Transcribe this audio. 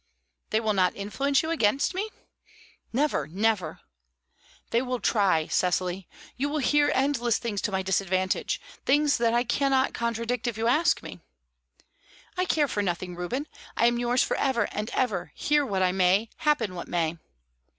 "They will not influence you against me?" "Never! never!" "They will try, Cecily. You will hear endless things to my disadvantage things that I cannot contradict if you ask me." "I care for nothing, Reuben. I am yours for ever and ever, hear what I may, happen what may!"